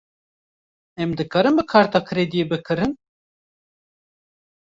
Em dikarin bi karta krediyê bikirin?